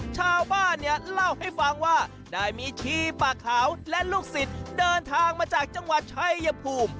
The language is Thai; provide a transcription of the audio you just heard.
ชาวบ้านเนี่ยเล่าให้ฟังว่าได้มีชีป่าขาวและลูกศิษย์เดินทางมาจากจังหวัดชัยภูมิ